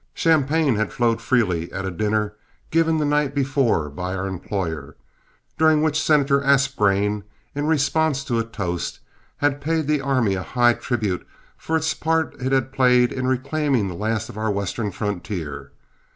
Champagne had flowed freely at a dinner given the night before by our employer, during which Senator Aspgrain, in responding to a toast, had paid the army a high tribute for the part it had played in reclaiming the last of our western frontier.